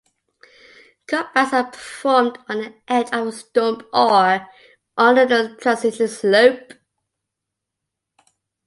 Cutbacks are performed on the edge of the stump or on the transition slope.